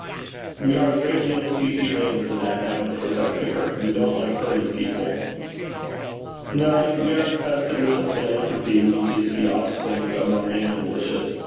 'We are a great deal too humane for that now a days, I fear. We don't like hurting people.' 'No. We are infested with a philanthropy which is the offspring of our mammon worship.